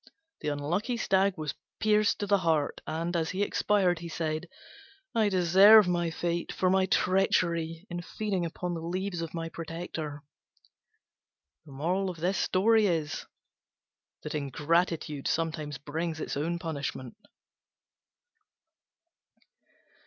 The unlucky Stag was pierced to the heart, and, as he expired, he said, "I deserve my fate for my treachery in feeding upon the leaves of my protector." Ingratitude sometimes brings its own punishment.